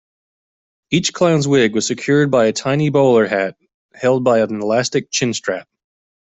Each clown's wig was secured by a tiny bowler hat held by an elastic chin-strap.